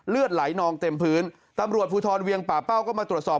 เลือดไหลนองเต็มพื้นตำรวจภูทรเวียงป่าเป้าก็มาตรวจสอบ